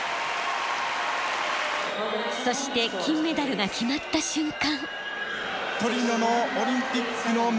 そして金メダルが決まった瞬間。